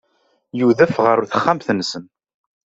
Yudef ɣer texxamt-nsen.